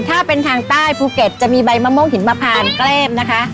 ถ้าเป็นทางใต้ภูเก็ตจะมีใบมะม่วงหินมะพานแก้มนะคะ